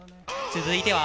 続いては。